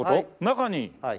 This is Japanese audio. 中に。